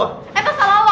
eh apa salah lo